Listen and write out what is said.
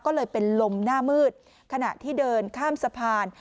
ก็เลยเป็นลมหน้ามืดขณะที่เดินข้ามสะพาน